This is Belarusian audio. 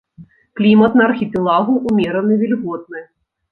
Клімат на архіпелагу умераны, вільготны.